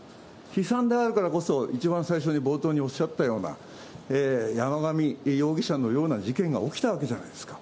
悲惨であるからこそ、一番最初に冒頭におっしゃったような、山上容疑者のような事件が起きたわけじゃないですか。